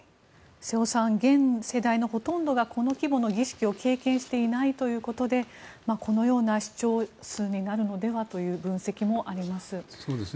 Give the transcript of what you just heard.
瀬尾さん現世代のほとんどがこの規模の儀式を経験していないということでこのような規模の視聴数になるのではという分析もあります。